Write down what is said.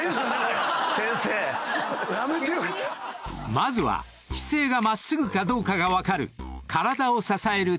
［まずは姿勢が真っすぐかどうかが分かる］